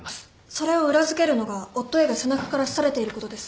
それを裏付けるのが夫Ａが背中から刺されていることです。